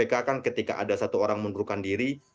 kpk kan ketika ada satu orang mundurkan diri